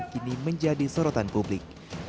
kini menjadi sorotan publik